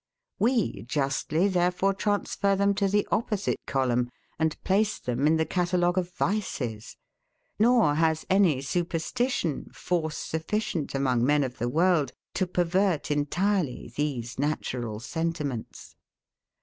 We justly, therefore, transfer them to the opposite column, and place them in the catalogue of vices; nor has any superstition force sufficient among men of the world, to pervert entirely these natural sentiments.